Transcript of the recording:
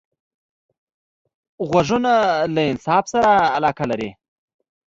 غوږونه له انصاف سره علاقه لري